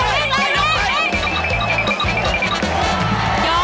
เรียว